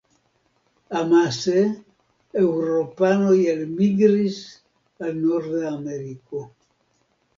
Amase eŭropanoj elmigris al norda Ameriko.